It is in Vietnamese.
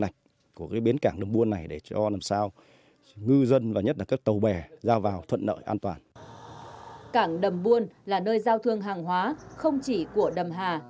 cảng đầm buôn là nơi giao thương hàng hóa không chỉ của đầm hà